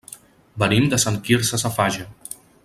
Venim de Sant Quirze Safaja.